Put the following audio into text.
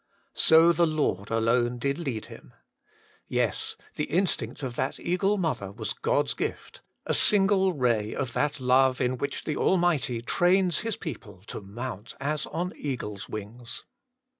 'So the Lord alone did lead him.' Yes, the instinct of that eagle mother was God's gift, a single ray of that love in which the Almighty trains His people to mount as on eagles' wings.